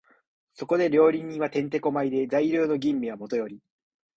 そこで料理人は転手古舞で、材料の吟味はもとより、